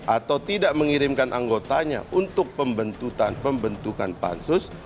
atau tidak mengirimkan anggotanya untuk pembentukan pansus